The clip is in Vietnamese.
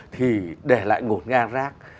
thì để lại ngột ngang rác